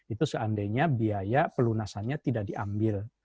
itu seandainya biaya pelunasannya tidak diambil